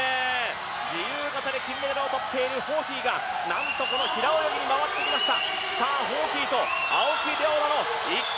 自由形で金メダルをとっているホーヒーがなんと平泳ぎに回ってきました。